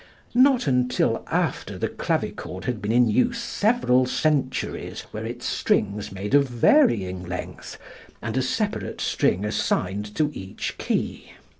Not until after the clavichord had been in use several centuries, were its strings made of varying length and a separate string assigned to each key.